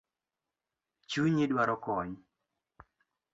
Chunyi dwaro kony